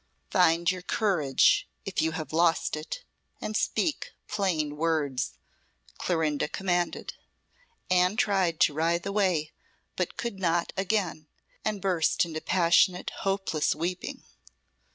"Find your courage if you have lost it and speak plain words," Clorinda commanded. Anne tried to writhe away, but could not again, and burst into passionate, hopeless weeping.